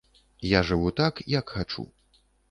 Я жыву так, як хачу.